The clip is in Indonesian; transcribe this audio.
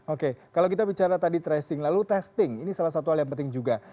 oke kalau kita bicara tadi tracing lalu testing ini salah satu hal yang penting juga